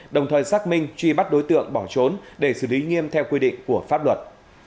đồng thời xác minh truy bắt đối tượng bỏ trốn để xử lý nghiêm theo quy định của pháp luật